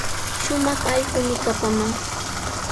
Shumaq allquumi kapaman.